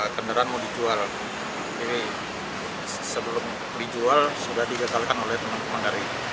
kendaraan mau dijual jadi sebelum dijual sudah digagalkan oleh teman teman dari